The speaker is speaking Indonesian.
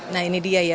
nah ini dia ya